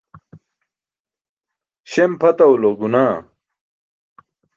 Śem pʰatawulo gunaah.